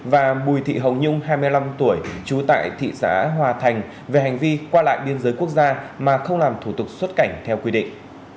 và bùi thị hồng nhung hai mươi năm tuổi trú tại thị xã hòa thành về hành vi qua lại biên giới quốc gia mà không làm thủ tục xuất cảnh theo quy định